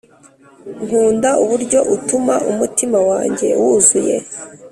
nkunda uburyo utuma umutima wanjye wuzuye